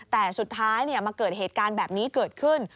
แต่สุดท้ายมาเกิดเหตุการณ์แบบนี้เกิดขึ้น